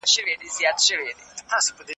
کمپيوټر اپس حل کوي.